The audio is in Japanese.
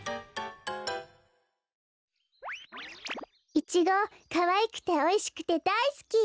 イチゴかわいくておいしくてだいすき。